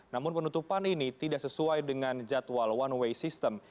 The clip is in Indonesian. namun penutupan ini tidak sesuai dengan jadwal one way system